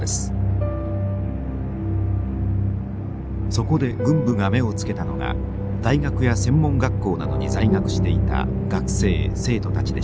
そこで軍部が目をつけたのが大学や専門学校などに在学していた学生生徒たちでした。